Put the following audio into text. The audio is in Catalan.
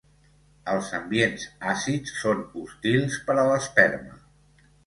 Els ambients àcids són hostils per a l'esperma.